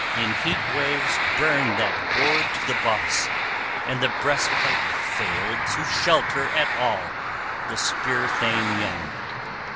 In heat waves burned that board {34d} to the boss, and the breastplate failed to shelter at all the spear thane young.